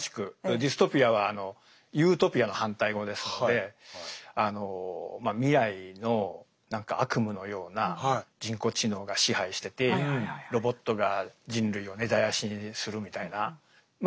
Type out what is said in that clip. ディストピアはユートピアの反対語ですのでまあ未来の何か悪夢のような人工知能が支配しててロボットが人類を根絶やしにするみたいなまあ